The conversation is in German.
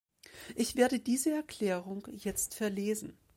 Ich werde diese Erklärungen jetzt verlesen.